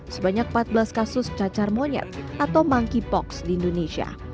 sebanyak empat belas kasus cacar monyet atau monkeypox di indonesia